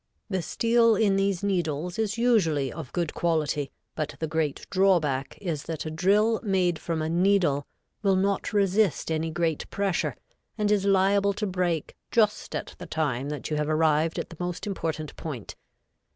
The steel in these needles is usually of good quality, but the great drawback is that a drill made from a needle will not resist any great pressure, and is liable to break just at the time that you have arrived at the most important point.